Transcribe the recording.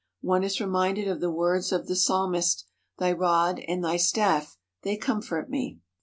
One is reminded of the words of the Psalmist: "Thy rod and thy staff they comfort me."